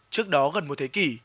trước đó gần một thế kỷ